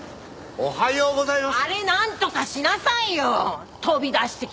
おはようございます。